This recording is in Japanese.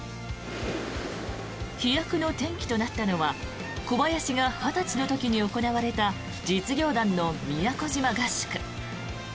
飛躍の転機となったのは小林が２０歳の時に行われた実業団の宮古島合宿。